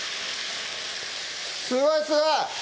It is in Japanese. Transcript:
すごいすごい！